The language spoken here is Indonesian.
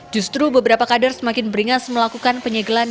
justru beberapa kader semakin beringas melakukan penyegelan